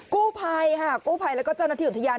กู้ภัยค่ะกู้ภัยแล้วก็เจ้าหน้าที่อุทยาน